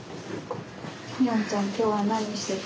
海音ちゃん今日は何してたの？